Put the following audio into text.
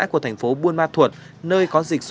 của thành phố buôn ma thuột nơi có dịch